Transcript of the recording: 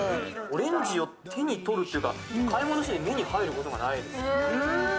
オレンジを手に取るっていうか、目に入ることがないです。